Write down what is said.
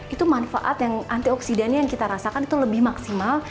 itu manfaat yang antioksidannya yang kita rasakan itu lebih maksimal